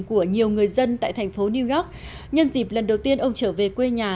của nhiều người dân tại thành phố new york nhân dịp lần đầu tiên ông trở về quê nhà